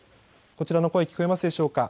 こちらの声聞こえますでしょうか。